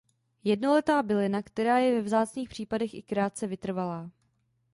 Jednoletá bylina která je ve vzácných případech i krátce vytrvalá.